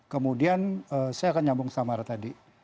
kemudian saya akan nyambung sama harah tadi